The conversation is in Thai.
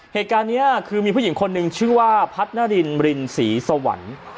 เหตุการณ์นี้คือมีผู้หญิงคนหนึ่งชื่อว่าพัฒนารินรินศรีสวรรค์